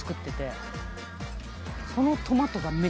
そのトマトが。